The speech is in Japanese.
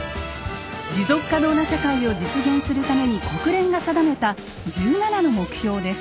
持続可能な社会を実現するために国連が定めた１７の目標です。